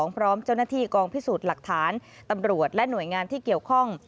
พร้อมเจ้าหน้าที่กองพิสูจน์หลักฐานตำรวจและหน่วยงานที่เกี่ยวข้อง